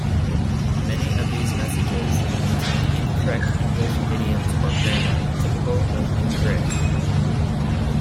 Many of these messages contain incorrect English idioms or grammar typical of Engrish.